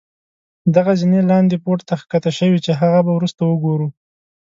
دغه زينې لاندې پوړ ته ښکته شوي چې هغه به وروسته وګورو.